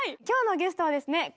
今日のゲストはですね